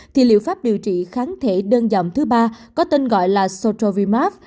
thì liệu pháp điều trị kháng thể đơn giọng thứ ba có tên gọi là sotrovimav